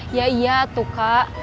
iya iya tuh kak